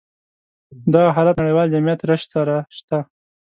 دغه حالت نړيوال جميعت رشد سره شته.